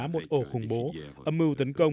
một ổ khủng bố âm mưu tấn công